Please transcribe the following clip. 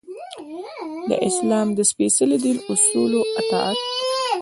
د اسلام د سپیڅلي دین اصولو اطاعت.